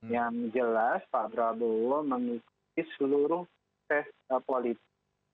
yang jelas pak prabowo mengikuti seluruh proses politik